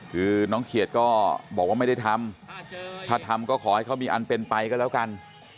คือน้องเขียดก็บอกว่าไม่ได้ทำถ้าทำก็ขอให้เขามีอันเป็นไปก็แล้วกัน